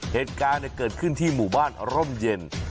เหตุการณ์เกิดขึ้นที่หมู่บ้านร่มเย็น